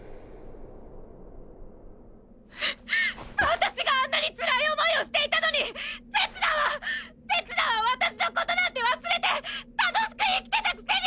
私があんなにつらい思いをしていたのにせつなはせつなは私のことなんて忘れて楽しく生きてたくせに！